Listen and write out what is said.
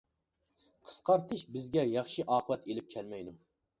قىسقارتىش بىزگە ياخشى ئاقىۋەت ئېلىپ كەلمەيدۇ.